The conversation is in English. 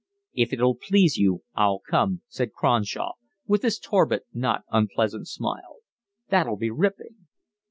"If it'll please you I'll come," said Cronshaw, with his torpid not unpleasant smile. "That'll be ripping."